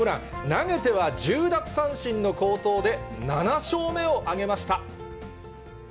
投げては１０奪三振の好投で、７勝目を挙げました。